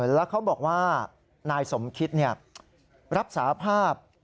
แล้วเขาบอกว่านายสมคิตรับสาภาพ